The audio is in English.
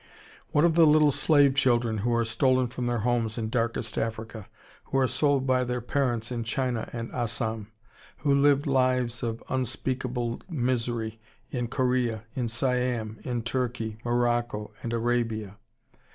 What of the little slave children who are stolen from their homes "in darkest Africa," who are sold by their parents in China and Assam, who live lives of unspeakable misery in Korea, in Siam, in Turkey, Morocco, and Arabia?